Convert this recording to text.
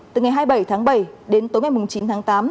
từ ngày hai mươi bảy tháng bảy đến tối ngày chín tháng tám